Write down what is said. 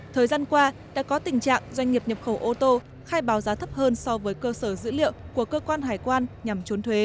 thời gian qua đã có tình trạng doanh nghiệp nhập khẩu ô tô khai báo giá thấp hơn so với cơ sở dữ liệu của cơ quan hải quan nhằm trốn thuế